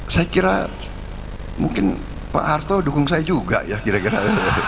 saya kira mungkin pak harto dukung saya juga ya kira kira